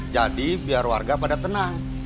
jadi biar warga pada tenang